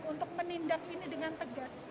untuk menindak ini dengan tegas